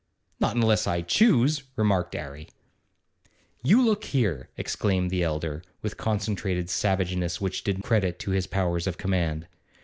'Not unless I choose,' remarked 'Arry. 'You look here,' exclaimed the elder, with concentrated savageness which did credit to his powers of command.